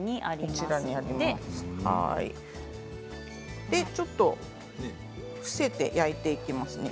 それでちょっと伏せて焼いていきますね。